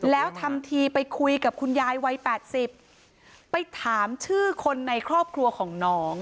แล้วทำทีไปคุยกับคุณยายวัยแปดสิบไปถามชื่อคนในครอบครัวของน้อง